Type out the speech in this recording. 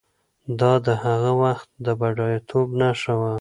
دا د هغه وخت د بډایه توب نښه وه.